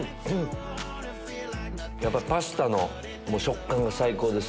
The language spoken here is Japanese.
やっぱパスタの食感が最高です。